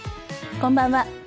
こんばんは。